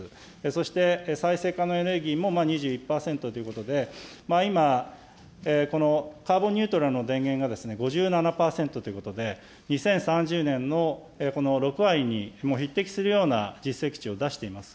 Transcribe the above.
そして再生可能エネルギーも２１％ということで、今、このカーボンニュートラルの電源が５７％ということで、２０３０年のこの６割に匹敵するような実績値を出しています。